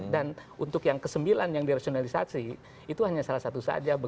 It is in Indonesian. dan untuk yang ke sembilan yang dirasionalisasi itu hanya salah satu saja